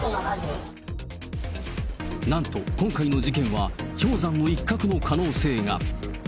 なんと今回の事件は、氷山の一角の可能性が。